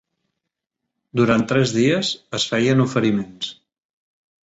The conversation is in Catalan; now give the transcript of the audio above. Durant tres dies es feien oferiments.